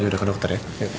ya udah ke dokter ya